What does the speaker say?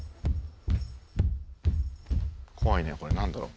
怖いねこれ何だろう？